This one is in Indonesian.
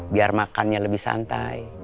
biar makannya lebih santai